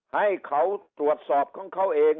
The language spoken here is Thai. ให้เขาตรวจสอบของเขาเอง